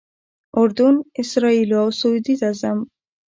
اردن، اسرائیلو او سعودي ته ځم.